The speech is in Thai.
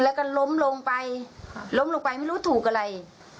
แล้วก็ล้มลงไปล้มลงไปไม่รู้ถูกอะไร